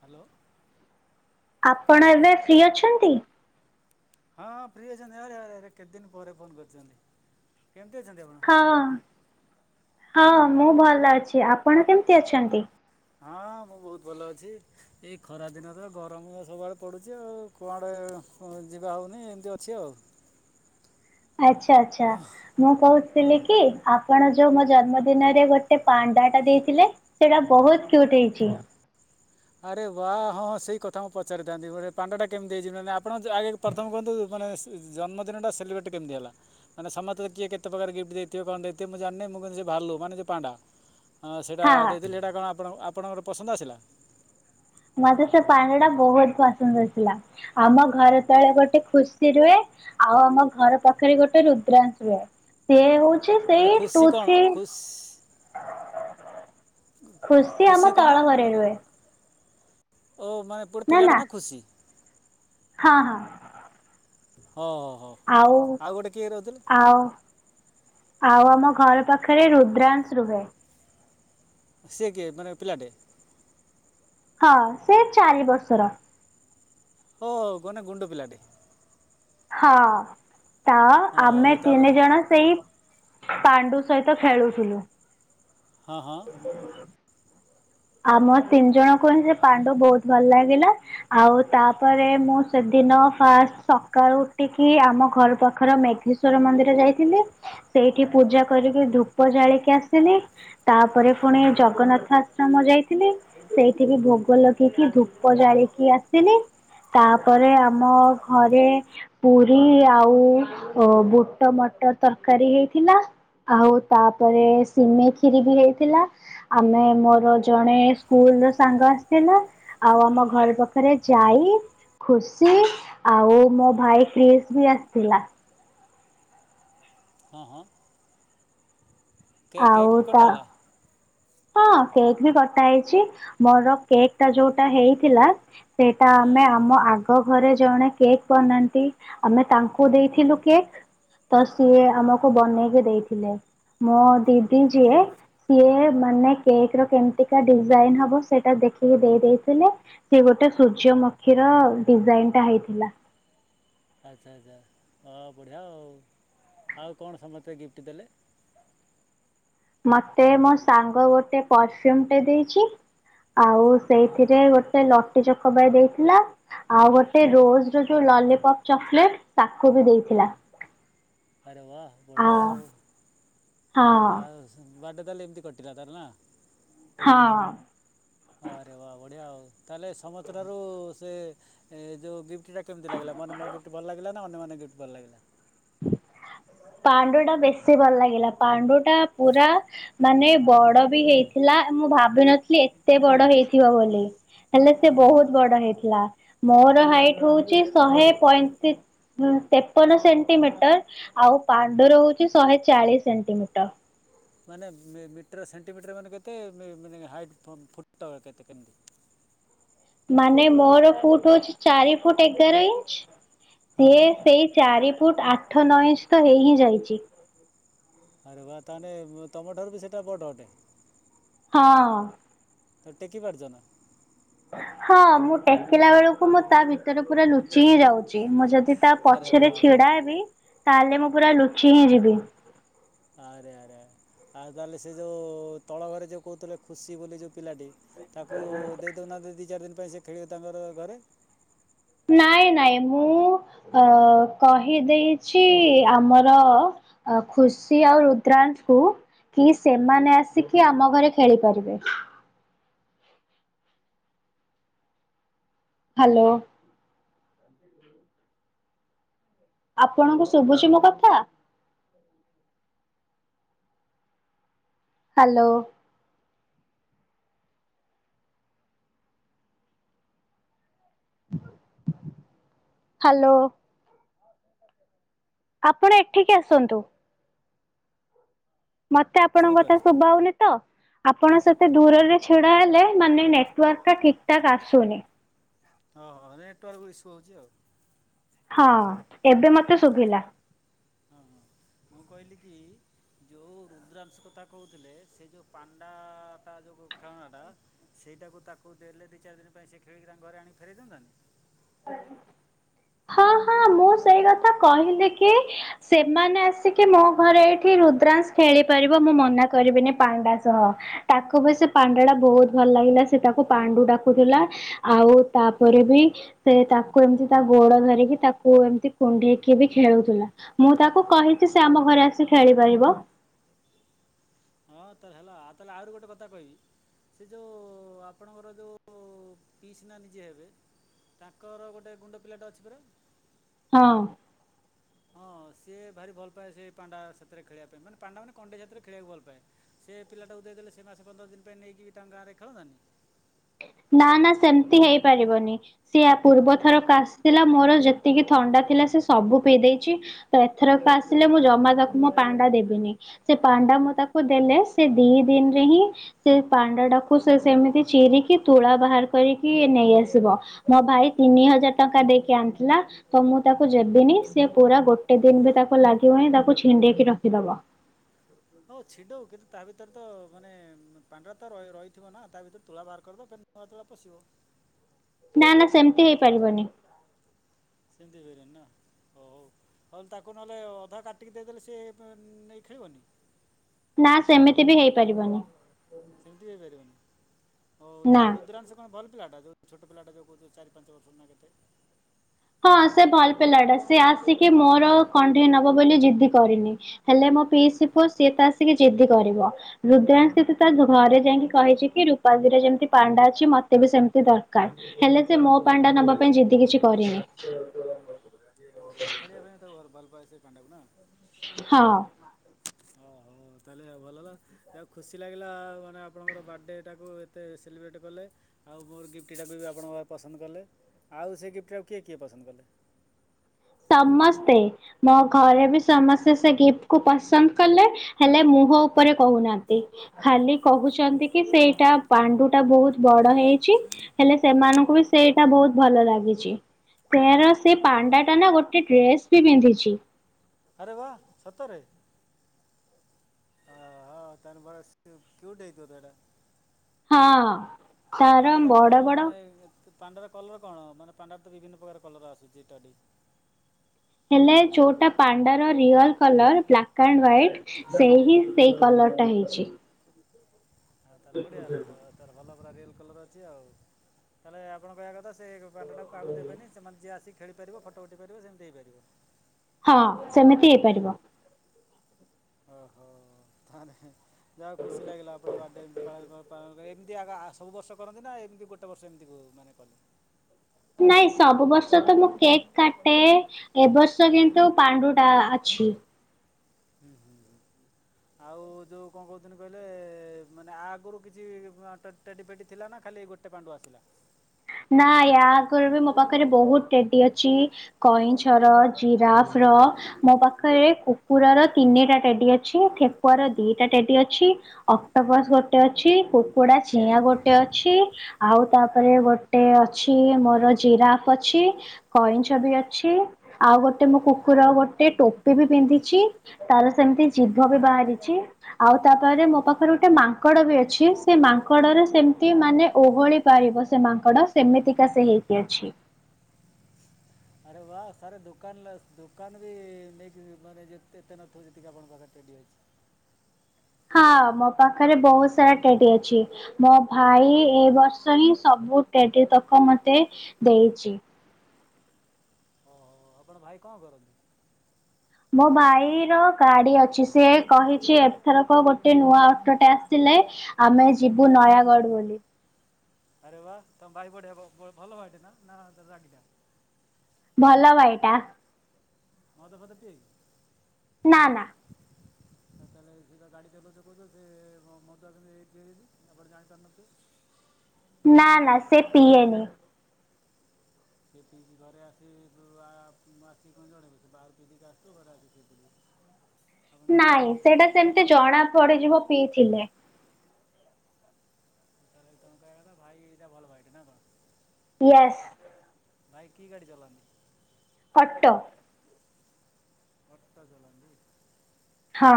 Hello. ଆପଣ ଏବେ free ଅଛନ୍ତି? ହଁ ହଁ ଫ୍ରି ଅଛନ୍ତି ଆରେରେ କେତେ ଦିନ ପରେ ଫୋନ କରିଛନ୍ତି! କେମିତି ଅଛନ୍ତି ଆପଣ? ହଁ ହଁ ମୁଁ ଭଲ ଅଛି ଆପ ଆପଣ କେମିତି ଅଛନ୍ତି? ହଁ ମୁଁ ବହୁତ ଭଲ ଅଛି। ଏଇ ଖରା ଦିନରେ ଗରମ ସବୁଆଡେ ପଡୁଛି ଆଉ କୁଆଡେ ଉମ ଯିବା ହଉନି ଏମିତି ଅଛି ଆଉ ଆଚ୍ଛା ଆଚ୍ଛା ମୁଁ କହୁଥିଲି ହୁଁ କି? ଆପଣ ଯୋଉ ମୋ ଜନ୍ମ ଦିନରେ ଗୋଟେ ପାଣ୍ଡା ଟା ଦେଇଥିଲେ। ସେଇଟା ବହୁତ କ୍ୟୁଟ ହେଇଚି। ଆରେ ବା ହଁ ସେଇ କଥା ମୁଁ ପଚାରିଥାନ୍ତି। ମୋ ପାଣ୍ଡାଟା କେମିତି ହେଯିବ ମାନେ ଆପଣ ଆଗେ ପ୍ରଥମେ ହନ୍ତୁ ମାନେ ଜନ୍ମଦିନଟା ସେଲିବ୍ରେଟ୍ କେମିତି ହେଲା। ମାନେ ସମସ୍ତେ ତ କିଏ କେତେ ପ୍ରକାର ଗିଫ୍ଟ ଦେଇଥିବ। କଣ ଦେଇଥିବ ମୁଁ ଜାଣିନି ମୁଁ କହି ସେ ଭାଲୁ ମାନେ ପାଣ୍ଡା। ହଁ ସେଇଟା ଦେଇଥିଲି ସେଇଟା କଣ ଆପଣ ଆପଣଙ୍କର ପସନ୍ଦ ଆସିଲା। ମତେ ସେ ପାଣି ଟା ବହୁତ ପସନ୍ଦ ଆଥିଲା। ଆମ ଘର ତଳେ ଗୋଟେ ଖୁସି ରୁହେ ଆଉ ଆମ ଘର ପାଖରେ ଗୋଟେ ରୁଦ୍ରାଶ ରୁହେ ସେ ହଉ ମାନେ ଖୁସି କଣ ସେଇ ଖୁସି ଖୁସି ଆମ କ'ଣ ତଳ ମରେ ମାନେ ହୁଏ। ଓ ମାନେ ପୋଟେ ପିଲାଟା ନା ଖୁସି। ହଁ ହଁ। ହଁ ହ ହ ହ ଆଉ ଗୋଟେ କିଏ ରହୁଥିଲେ। ଆଉ ଆଉ ଆମ ଘର ପାଖରେ ରୁଦ୍ରାଂଶ ରୁହେ। ସେ କିଏ ମାନେ ପିଲାଟେ ହଁ ସେ ଚାରି ବର୍ଷର ହ କହନେ ଗୁଣ୍ଡ ପିଲାଟି। ହଁ। ତା ହଉ ଆମେ ତା'ପରେ ତିନି ଜଣ ସେଇ ପାଣ୍ଡୁ ସହିତ ଖେଳୁଥିଲୁ। ହଁ ହଁ। ଆମ ତିନି ଜଣ କୁହ ପାଣ୍ଡୁ ବହୁତ ଭଲ ଲାଗିଲା। ଆଉ ତାପରେ ମୁଁ ସେଦିନ ଫାଷ୍ଟ ସକାଳୁ ଉଠିକି, ଆମ ଘର ପାଖର ମେଘନେଶ୍ଵର ମନ୍ଦିର ଯାଇଥିଲି। ସେଇଠି ପୂଜା କରିକି ଧୂପ ଜାଳିକି ଆସିଲି। ତାପରେ ପୁଣି ଜଗନ୍ନାଥ ଥିଲି ସେଇଠି ବି ଭୋଗ ଲଗେଇକି ଧୂପ ଜାଳିକି ଆସିଲି। ତାପରେ ଆମ ଘରେ ପୁରୀ ଆଉ ବୁଟ ମଟ ତରକାରୀ ହେଇଥିଲା। ଆଉ ତାପରେ ସିମି ଖିରି ବି ହେଇଥିଲା। ଆମେ ମୋ ର ଜଣେ ସ୍କୁଲ ର ସାଙ୍ଗ ଆସିଥିଲା। ଆଉ ଆମ ଘର ପାଖରେ ଯାଇ ଖୁସି ଆଉ ମୋ ଭାଇ କ୍ରିଶ ବି ଆସିଥିଲା। ହଁ ହଁ। କେ ଆଉ କେକ୍ ବି ତା କଟଲା ହଁ କେକ୍ ବି କଟା ହେଇଛି। ମୋର କେକ୍ ଟା ଯୋଉଟା ହେଇଥିଲା। ସେଇଟା ହଁ ଆମେ ଆମ ଆଗ ତା ଘରେ ଜଣେ କେକ୍ ବନାନ୍ତି ଆମେ ତାଙ୍କୁ ଦେଇଥିଲୁ। କେକ୍ ତ ସିଏ ଆମକୁ ବନେଇକି ଦେଇଥିଲେ ମୋ ଦିଦି ଯିଏ ସିଏ ମାନେ କେକ୍ ର କେମିତିକା ଡିଜାଇନ ହବ ସେଇଟା ଦେଖିକି ଦେଇ ଦେଇଥିଲେ। ସେ ଗୋଟେ ସୂର୍ଯ୍ୟମଖୀର ଡିଜାଇନ ଟା ହେଇଥିଲା। ଆଚ୍ଛା ଆଚ୍ଛା ହଁ ବଢ଼ିଆ ଆଉ ଆଉ କଣ ସମୟସ୍ତ ଗିଫ୍ଟ ଦେଲେ। ମତେ ମୋ ସାଙ୍ଗ ଗୋଟେ ପରଫ୍ୟୁମ ଟେ ଦେଇଛି। ଆଉ ହଁ ହଁ ସେଇଥିରେ ଗୋଟେ ଲ ଚକବାଇ ଦେଇଥିଲା। ଆଉ ଗୋଟେ ରୋଜ ର ଯୋଉ ଲଲିପପ୍ ଚକୋଲେଟ ବି ହଁ ଦେଇଥିଲା। ଆରେ ବାହ ଆ ବଢ ଆଉ। ହଁ ଆଉ ବାଟ ତାହେଲେ ଏମିତି କଟିଲା ତାର ନା। ହଁ। ହଁରେ ବା ବଢିଆ ଆଉ ତାହେଲେ ସମସ୍ତ ାରୁ ସେ ଯୋଉ ଗିଫଟ। କେମତି ଲାଗିଲାନ ମୋ ଗି ଭଲ ଲିଲା ଅନ୍ୟମାନେେ ଗିଟ୍ ଭଲ ଲାଗିଲା। ପାଣ୍ଡୁ ଟା ବେଶୀ ଭଲ ଲାଗିଲା। ପାଣ୍ଡୁ ଟା ପୁରା ମାନେ ବଡ ବି ହେଇଥିଲା ମୁଁ ଭାବିନଥିଲି ଏତେ ବଡ ହେଇଥିବ ବୋଲି। ହେଲେ ସେ ହୁଁ ବହୁତ ବଡ ହେଇଥିଲା। ମୋର ହାଇଟ ହଉଛି ଶହେ ପତି ତେପନ ସେଣ୍ ସେର ଆଉ ପାଣ୍ଡୁର ହଉଛି ଶହେ ଚାଳିଶ ସେଣ୍ଟିମିଟର ମାନେ ମିଟର ସେଣ୍ଟିମିଟର ମାନେ କେତେ ମାନେ ହାଇଟ୍ ଫୁଟ କେତେ କେମିତି? ମାନେ ମୋର ଫୁଟ ହଉଛି ଚାରି ଫୁଟ ଏଗାର ଇଞ୍ଚ ହଁ ସିଏ ହଁ ସେଇ ଚାରି ଫୁଟ ଆଠ ନଅ ଇଞ୍ଚ ତ ହେଇ ହିଁ ଯାଇଛି। ଆରେ ବା ତାହେଲେ ତମ ଠାରୁ ବି ସେଇଟା ବଡ ଅଟେ! ହଁ। ତ ଟେକି ପାରଛ ନା ହଁ ମୁଁ ଟେକିଲା ବେଳକୁ ମୁଁ ତା ଭିତରେ ପୁରା ଲୁଚି ହେି ଯାଉଛି ମୁଁ ଯଦି। ତା ଆରେ ବା ପଛରେ ବା ଛିଡା ହେବି ତାହେଲେ ମୁଁ ପୁରା ଲୁଚି ହିଁ ଯିବି ଆରେ ଆରେ। ଆଉହେଲେ ସେ ଯେଉଁ ତଳ ଘରେ ଯେଉଁ କହୁଥିଲେ ଖୁସି ବୋଲି ଯେ ପିଲାଟି ତାକୁ ଦେଇଦଉନାହାନ୍ତି ଦି ଚାରି ଦିନ। ପାଇଁ ସେ ଖେଳିବ ତାଙ୍କର ଘରେ। ନାଇଁ ନାଇଁ ମୁଁ ଅ କହିଦେଇଛି ଆମର ଖୁସି ଆଉ ରୁଦ୍ରାନ୍ତ କ କି ସେମାନେ ଆସିକି ଆମ ଘରେ ଖେଳିପାରିବେ। ହ୍ୟାଲୋ। ଆପଣଙ୍କୁ ଶୁଭୁଛି ମୋ କଥା ହ୍ୟାଲୋ। ହ୍ୟାଲୋ। ଆପଣ ଏଠିକି ଆସନ୍ତୁ। ମତେ ଆପଣଙ୍କ କଥା ଶୁଣିପାରିଲି ଶୁଭ ହଉନି ତ ଆପଣ ସେତେ ଦୂରରେ ଛିଡା ହେଲେ ମାନେ ନେଟୱାର୍କ ଟା ଠିକ ଠାକ୍ ଆସୁନି। ଓହୋ ନେଟୱାର୍କ ଇସୁ ହଉଛି ଆଉ ହଁ ଏବେ ମତେ ଶୁଭିଲା। ହଁ ହଁ ମୁଁ କହିଲି କି ଯେଉଁ ରୁଦ୍ରାଂଶ କଥା କହୁଥିଲେ ସେ ଯେଉଁ ପାଣ୍ଡାଟା ଯେଉଁ ଖେଳନାଟା ସେଇଟାକୁ ତାକୁ ଦେଲେ ଦୁଇ ଚାରି ଦିନ ପାଇଁ ସେ ଖେଳିକି ତାଙ୍କ ଘରେ ଆଣିକି ଫେରାଇ ଦିଅନ୍ତାନି? ହଁ ହଁ ମୁଁ ସେଇ କଥା କହିଲି କି ସେମାନେ ଆସିକି ମୋ ଘରେ ଏଇଠି ରୁଦ୍ରାଂଶ ଖେଳି ପାରିବ ମୁଁ ମନା କରିବିନି ପାଣ୍ଡା ସହ ତାକୁ ବି ସେ ପାଣ୍ଡା ଟା ବହୁତ ଭଲ ଲାଗିଲା ସେ ତାକୁ ପାଣ୍ଡୁ ଡାକୁଥିଲା ଆଉ ତାପରେ ବି? ସେ ତାକୁ ଏମିତି ତା ଗୋଡ ଧରିକି ତାକୁ ଏମିତି କୁଢେଇକି ବି ଖେଳୁଥିଲା ମୁଁ ତାକୁ କହିଛି ସେ ଆମ ଘରେ ଆସି ଖେଳିପାରିବ। ହଁ ତାଲେ ହେଲା ଆ ତାହେଲେ ଆହୁରି ଗୋଟେ କଥା କହିବି ସେ ଯେଉଁ ଆପଣଙ୍କର ଯେଉଁ ପିସ୍ନା ନିଜେ ହେବେ ତାଙ୍କର ଗୋଟେ ଗୁଣ୍ଡ ପିଲାଟ ଅଛି ପରା। ହଁ। ହଁ ସିଏ ଭାରି ଭଲ ପାାଏ ସେ ପାଣ୍ଡା ସେଥିରେ ଖେଳିବା ପାଇଁ ମାନେ ପାଣ୍ଡା ମାନେ କଣ୍ଣ୍ଡେ ସେଥିରେ ଖେଳିବାକୁ ଭଲ ପାାଏ ସେ ପିଲାଟାକୁ ଦେଇ ଦେେଲେ ସେ ମାସେ ପନ୍ଦର ଦିନ ପାଇଁ ନେଇକି ତାଙ୍କ ଗାଁରେ ଖେଳନ୍ତାନି। ନା ନା ସେମିତି ହେଇପାରିବନି ସିଏ ପୂର୍ବଥରକ ଆସିଥିଲା ମୋର ଯେତିକି ଥଣ୍ଡା ଥିଲା ସେ ସବୁ ପିଇ ଦେଇଛି ତ ଏଥରକ ଆସିଲେ ମୁଁ ଜମା ତାକୁ ମୋ ପାଣ୍ଡା ଦେବିନି ସେ ପାଣ୍ଡା ମୁଁ ତାକୁ ଦେଲେ ସେ ଦି ଦିନରେ ହିଁ ସେ ପାଣ୍ଡା ଟାକୁ ସେ ସେମିତି ଚିରିକି। ତୁଳା ବାହାର କରିକି ନେଇ ଆସିବ ମୋ ଭାଇ ତିନି ହଜାର ଟଙ୍କା ଦେଇକି ଆଣିଥିଲା ତ ମୁଁ ତାକୁ ଯବିନି ସେି ପୁରା ଗୋଟେ ଦିନ ବି ତାକୁ ଲାଗିବନି ତାକୁ ଛିଣ୍ଡେଇକି ରଖିଦ? ହଉ ଛିଡ଼ଉ କିନ୍ତୁ ତା ଭିତରେ ତ ମାନେ ପାଣ୍ଡରୋ ତ ରହିଥିବ ନା ତା ଭିତରେ ତୁଳା ବାହାର କରିଦ ନୂଆ ତୁଳା ପଶିବ। ନା ନା ସେମିତି ହେଇପାରିବନି। ସେମିତି ହେରିନ ନା ହଉ ହଉ ହେଉ ତାକୁ ନହେଲେ ଅଧା କାଟଟିକି ଦେଇଦେଲେ ସିଏ ନେଇ ଖେଳିବନି? ନା ସେମିତି ବି ହେଇପାରିବନି। ସେମିତି ହେଇପାରିବନି? ହଉ ନା। ତାହେଲେ ରୁଦ୍ରାଂଶ କଣ ଭଲ ପିଲାଟା। ଛୋଟ ପିଲାଟା ଯେଉଁ କହୁଛୁ ଚାରି ପାଞ୍ଚ ବର୍ଷରୁ ନା କେତେ? ହଁ ସେ ଭଲ ପିଲାଟା ସିଏ ଆସିକି ମୋର କଣ୍ଢେଇ ନବ ବୋଲି ଜିଦ୍ଦି କରିନି ହେଲେ ମୋ ପିଇସି ପୁଅ ସିଏ ତ ଆସିକି ଜିଦ୍ଦି କରିବ। ରୁଦ୍ରା ତା ଘରେ ଯାଇକି କହିଛି କି ରୂପା ଦୀର ଯେମିତି ପାଣ୍ଡା ଅଛି ମତେ ବି ସେମିତି ଦରକାର। ହେଲେ ସେ ମୋ ପାଣ୍ଡା ନବା ପାଇଁ ଜିଦ୍ଦି କିଛି କରିନି। [unintelligible] ହଉ ତାହେ ଖେଳିବା ପାଇଁ ତକୁ ଘ ଭଲ ପାଇଏ [unintelligible] ସେ ପାଣ୍ଡାକୁ ନା [unintelligible] ହଁ ଓ ହଉ ତାହେଲେ ଆଉ ଭଲ ହେ ଆଉ ଖୁସି ଲାଗିଲା ମାନେ ଆପଣଙ୍କର ବାର୍ଥଡେଟାକୁ ଏତେ ସେଲିବ୍ରେଟ୍ କଲେ ଆଉ ମୋର ଗିଫ୍ଟଟାକୁ ବି ଆପଣଙ୍କରେ ପସନ୍ଦ କଲେ ଆଉ ସେ ଗିଫ୍ଟଟା ଆଉ କିଏ କିଏ ପସନ୍ଦ କଲେ? ସମସ୍ତେ ମୋ ଘରେ ବି ସମସ୍ତେ ସେ ଗିଫ୍ଟ କୁ ପସନ୍ଦ କଲେ, ହେଲେ ମୁହଁ ଉପରେ କହୁନାହାନ୍ତି ଖାଲି କହୁଛନ୍ତି କି ସେଇଟା ପାଣ୍ଡୁ ଟା ବହୁତ ବଡ ହେଇଛି, ହେଲେ ସେମାନଙ୍କୁ ବି ସେଇଟା ବହୁତ ଭଲ ଲାଗିଛି ତର ସେ ପାଣ୍ଡା ନା ଗୋଟେ ଡ୍ରେସ୍ ବି ପିନ୍ଧିଛି। ଆରେ ବା ସତରେ ହଁ ତାନ ବରା କେଉଠ ହେଇତ ତାଟା [unintelligible] ହଁ। ଖରମ୍ କ'ଣ ବଡ ବଡ ମାନେ ପାଣ୍ଡାର କଲର କଣ ମାନେ ପାଣ୍ଡାରେ ତ ବିଭିନ୍ନ ପ୍ରକାର କଲର ଆସୁଛି ଏଟାଟି ହେଲେ ଯୋଉଟା ପାଣ୍ଡାର real colour black and white ସେ ହି ସେଇ କଲରଟା ହେଇଛି। ତାହେଲେ ବଢିଆ ହେଲା ତ [unintelligible] [unintelligible] ତାହେଲେ ଆପଣ କହିବା କଥା ସେ ପଣ୍ଡା ଟା କାହାକୁ ଦେବେନି ସେମାନେ ଯିଏ ଆସିକି ଖେଳିପାରିବ ଫଟୋ ଉଠାଇ ପାରିବ ସେମିତି ହେଇପାରିବ। ହଁ ସେମିତି ହେଇପାରିବ। ଓ ହୋ ତାହାଲେ [unintelligible] ଯାହା ଖୁସି ଲାଗିଲା ଆପଣ ବାର୍ଡେ ଏମ ଯି ଆଗ ସବୁ ବର୍ଷ କରନ୍ତି ନା ଏମିତି ଗୋଟେ ବର୍ଷ ଏମିତି ମାନେ କଲି ନାଇଁ ସବୁ ବର୍ଷ ତ ମୁଁ କେକ୍ କାଟେ ଏ ବର୍ଷ କିନ୍ତୁ ପାଣ୍ଡୁ ଟା ଅଛି। ହୁଁ ହୁଁ ଆଉ ଯୋଉ କଣ କହୁଥିଲି କହିଲେ ମାନେ ଆଗରୁ କିଛି ଟେଡି ଫେଡି ଥିଲା ନା ଖାଲି ଗୋଟେ ପାଣ୍ଡୁ ଆସିଲା। ନା ୟା ଆଗରେ ବି ମୋ ପାଖରେ ବହୁତ ଟେଡି ଅଛି କଇଁଛ ର ଜିରାଫ ର ମୋ ପାଖରେ କୁକୁର ର ତିନିଟା ଟେଡି ଅଛି। ଠେକୁଆ ର ଦିଟା ଟେଡି ଅଛି ଅକ୍ଟୋପସ ଗୋଟେ ଅଛି। କୁକୁଡ଼ା ଚିଆଁ ଗୋଟେ ଅଛି। ଆଉ ତାପରେ ଗୋ ଗୋଟେ ଅଛି ମୋର ଜିରାପ ଅଛି। କଇଁଛ, ବି ଅଛି। ଆଉ ଗୋଟେ ମୋ କୁକୁର ଗୋଟେ ଟୋପି ବି ପିନ୍ଧିଛି ତାର ସେମିତି ଜିଭ ବି ବାହାରିଛି ଆଉ ତାପରେ ମୋ ପାଖରେ ଗୋଟେ ମାଙ୍କଡ ବି ଅଛି। ସେ ମାଙ୍କଡରେ ସେମିତି ମାନେ ଓହଳି ପାରିବ ସେ ମାଙ୍କ ଡ ସେମିତିକା ସେ ହେଇକି ଅଛି। ଆରେ ବା ସାର୍ ଦୋକାନ ଦୋକାନ ବି ନେଇକି ମାନେ ଯେ ଏତେ ନଥଉ ଯେତିକି ଆପଣଙ୍କ ପାଖରେ ରେଡ଼ି ହୋଇଛି। ହଁ ମୋ ପାଖରେ ବହୁତ ସାରା ଟେଡି ଅଛି। ମୋ ଭାଇ ଏ ବର୍ଷ ହିଁ ସବୁ ଟେଡି ତକ ମତେ ଦେଇଛି। ଓହୋ ଆପଣ ଭାଇ କଣ କରନ୍ତି। ମୋ ଭାଇର ଗାଡି ଅଛି। ସେ କହିଛି ଏଥରକ ଗୋଟେ ନୂଆ ଅଟୋଟା ଆସିଲେ ଆମେ ଯିବୁ ନୟାଗଡ ବୋଲି। ଆରେ ବା ତମ ଭାଇ ବଢ଼ିଆ ଭାଈ ଭଲ ନା ରାଗିଟା ଭଲ ଭାଇ ଟା। ନ ଦଫା ତ ଟ- [unintelligible] ନା ନା। ତାହେଲେ ସେଟା ଗାଡ଼ି ଚଲଚ କରହୁଛ ସେ ମ ତୁ ଆ କେମତି ଏଇଠିଦବି ଆପଣ ଜାଣିପାରୁନଥିବ- [unintelligible] ନାଁ ନାଁ ସେ ପିଏନେ [inaudible] ନାଇଁ ଜାଣିପାରିବେନି। ସେଇଟା ସେମତି ଜଣା ପଡିଯିବ ପିଇଥିଲେ- କହ ତ ଭାଇ ଏଇଟା ଭଲ ଭାଇଟେ ନା କଣ- ଇଏସ୍। ଭାଇ କି ଗାଡି ଚଲାନ୍ତି? ଅଟ। ଅଟ ଚଳନ୍ତି ହଁ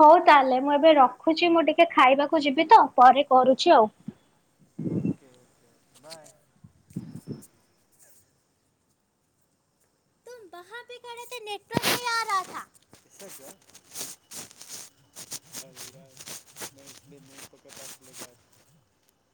ହଉ ତାହେଲେ ମୁଁ ଏବେ ରଖୁଛି ମୁଁ ଟିକେ ଖାଇବାକୁ ଯିବି ତ ପରେ କରୁଛି ଆଉ ଓକେ ଓ ବାଏ [inaudible] [inaudible] [unintelligible]